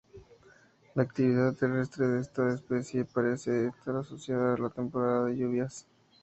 La actividad terrestre de esta especie parece estar asociada a la temporada de lluvias.